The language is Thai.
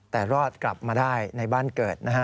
แต่รอดกลับมาได้ในบ้านเกิดนะฮะ